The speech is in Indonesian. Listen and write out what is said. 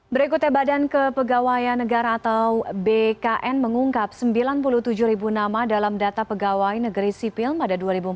berikutnya badan kepegawaian negara atau bkn mengungkap sembilan puluh tujuh ribu nama dalam data pegawai negeri sipil pada dua ribu empat belas